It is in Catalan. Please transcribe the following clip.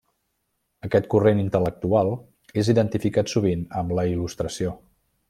Aquest corrent intel·lectual és identificat sovint amb la Il·lustració.